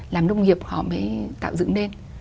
làm nông nghiệp họ mới tạo dựng lên